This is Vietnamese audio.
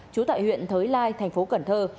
chú tại huyện thới lai thành phố cần thơ